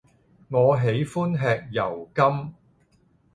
我喜歡吃油柑